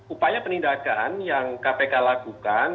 upaya penindakan yang kpk lakukan